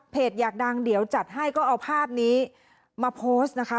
อยากดังเดี๋ยวจัดให้ก็เอาภาพนี้มาโพสต์นะคะ